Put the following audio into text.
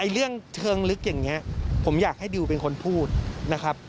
เรื่องเชิงลึกอย่างนี้ผมอยากให้ดิวเป็นคนพูดนะครับ